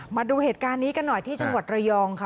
มาดูเหตุการณ์นี้กันหน่อยที่จังหวัดระยองค่ะ